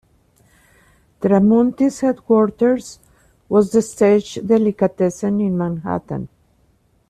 Tramunti's headquarters was The Stage Delicatessen in Manhattan.